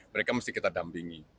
mereka mesti kita dampingi